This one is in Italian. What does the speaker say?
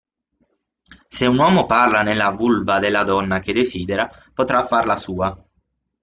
Se un uomo parla nella vulva della donna che desidera, potrà farla sua.